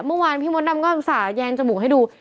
เมื่อวานพี่มดดำก็อุตส่าหยงจมูกให้ดู